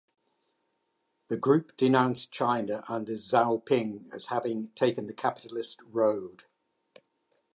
The group denounced China under Xiaoping as having taken the "capitalist road".